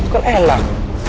itu kan enak